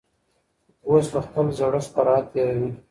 اوس به خپل زړښت په راحت تېروي.